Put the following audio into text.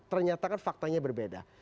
ternyata kan faktanya berbeda